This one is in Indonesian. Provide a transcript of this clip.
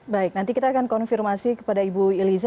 baik nanti kita akan konfirmasi kepada ibu iliza